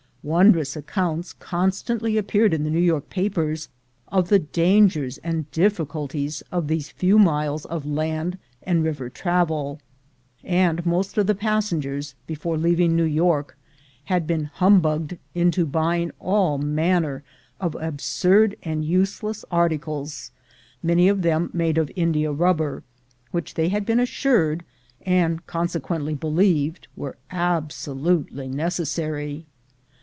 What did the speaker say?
Wondrous accounts constantly ap peared in the New York papers of the dangers and difficulties of these few miles of land and river trav el, and most of the passengers, before leaving New York, had been humbugged into buying all manner of absurd and useless articles, many of them made of india rubber, which they had been assured, and con sequently believed, were absolutely necessary.